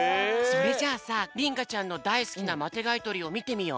それじゃあさりんかちゃんのだいすきなマテがいとりをみてみよう。